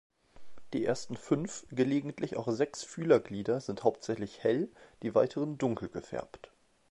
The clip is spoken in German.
Die ersten fünf, gelegentlich auch sechs Fühlerglieder sind hauptsächlich hell, die weiteren dunkel gefärbt.